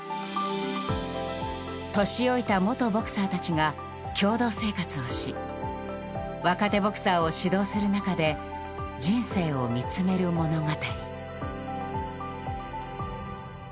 年老いた元ボクサーたちが共同生活をし若手ボクサーを指導する中で人生を見つめる物語。